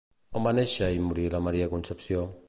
On va néixer i morir la Maria Concepció?